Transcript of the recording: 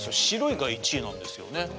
「白い」が１位なんですよね。